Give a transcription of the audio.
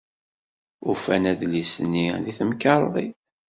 Ufan adlis-nni deg temkarḍit.